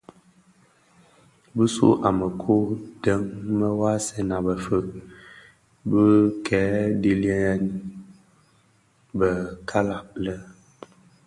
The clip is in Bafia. Bisu u mekuu deň më vasèn a bëfeeg bë kè dhiyilèn bè kalag lè,